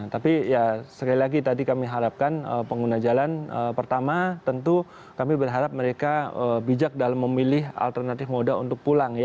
tapi ya sekali lagi tadi kami harapkan pengguna jalan pertama tentu kami berharap mereka bijak dalam memilih alternatif moda untuk pulang ya